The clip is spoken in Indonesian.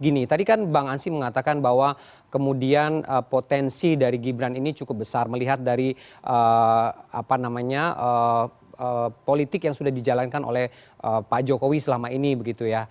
gini tadi kan bang ansy mengatakan bahwa kemudian potensi dari gibran ini cukup besar melihat dari politik yang sudah dijalankan oleh pak jokowi selama ini begitu ya